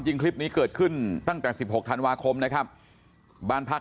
คลิปนี้เกิดขึ้นตั้งแต่๑๖ธันวาคมนะครับบ้านพัก